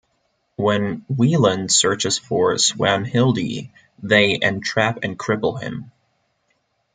When Wieland searches for Swanhilde, they entrap and cripple him.